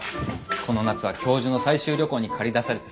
この夏は教授の採集旅行に駆り出されてさ